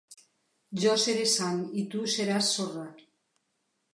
Jo seré sang i tu seràs sorra.